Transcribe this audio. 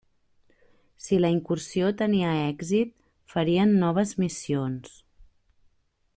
Si la incursió tenia èxit, farien noves missions.